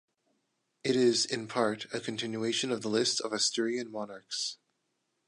It is, in part, a continuation of the list of Asturian monarchs.